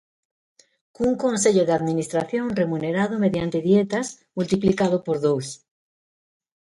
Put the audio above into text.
Cun consello de administración, remunerado mediante dietas, multiplicado por dous.